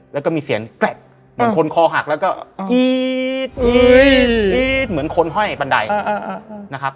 แล้วก็มีเสียงแกรกเหมือนคนคอหักแล้วก็กรี๊ดกรี๊ดเหมือนคนห้อยบันไดนะครับ